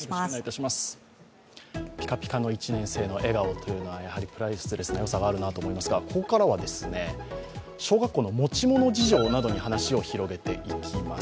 ピカピカの１年生の笑顔というのはプライスレスな良さがあると思いますがここからは、小学校の持ち物事情などに話を広げていきます。